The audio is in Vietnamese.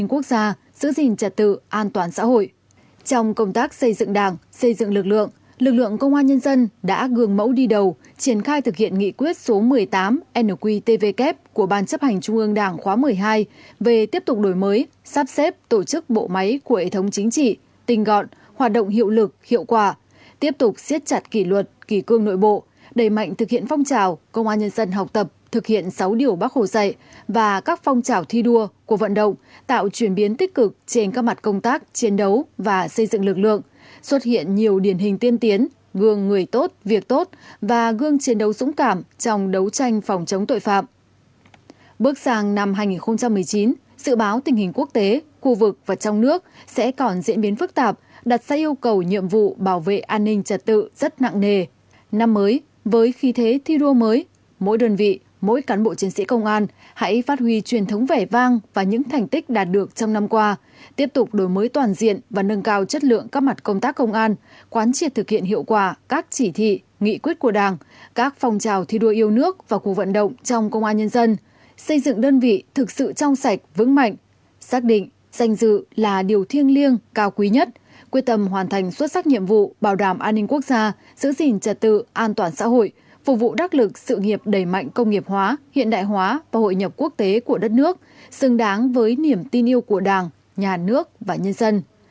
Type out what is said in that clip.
quán triệt thực hiện hiệu quả các chỉ thị nghị quyết của đảng các phong trào thi đua yêu nước và cuộc vận động trong công an nhân dân xây dựng đơn vị thực sự trong sạch vững mạnh xác định danh dự là điều thiêng liêng cao quý nhất quyết tâm hoàn thành xuất sắc nhiệm vụ bảo đảm an ninh quốc gia giữ gìn trật tự an toàn xã hội phục vụ đắc lực sự nghiệp đẩy mạnh công nghiệp hóa hiện đại hóa và hội nhập quốc tế của đất nước xứng đáng với niềm tin yêu của đảng nhà nước và nhân dân